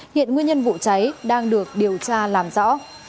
hiện nguyên nhân vụ cháy đang được điều tra làm rõ